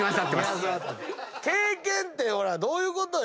経験ってどういうことよ。